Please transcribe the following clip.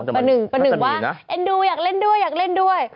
ประหนึ่งประหนึ่งว่าเอ็นดูอยากเล่นด้วยอยากเล่นด้วย